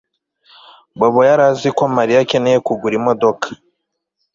Bobo yari azi ko Mariya akeneye kugura imodoka